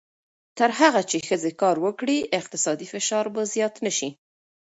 تر هغه چې ښځې کار وکړي، اقتصادي فشار به زیات نه شي.